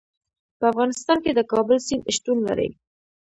په افغانستان کې د کابل سیند شتون لري.